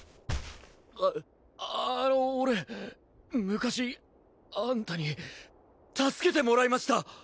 ああの俺昔あんたに助けてもらいました！